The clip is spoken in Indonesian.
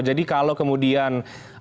jadi kalau kemudian